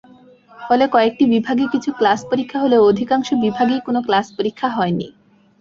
ফলে কয়েকটি বিভাগে কিছু ক্লাস-পরীক্ষা হলেও অধিকাংশ বিভাগেই কোনো ক্লাস-পরীক্ষা হয়নি।